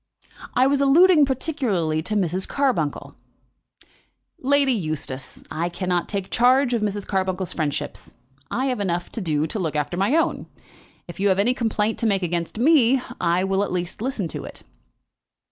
"I was alluding particularly to Mrs. Carbuncle." "Lady Eustace, I cannot take charge of Mrs. Carbuncle's friendships. I have enough to do to look after my own. If you have any complaint to make against me, I will at least listen to it."